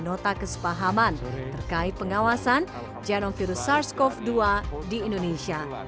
nota kesepahaman terkait pengawasan genom virus sars cov dua di indonesia